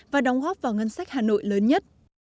và đóng góp vào ngân sách hà nội lớn nhất